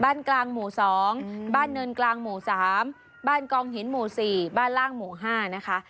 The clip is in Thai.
บ้านกลางหมู่สองอืมบ้านเนินกลางหมู่สามบ้านกองหินหมู่สี่บ้านล่างหมู่ห้านะคะ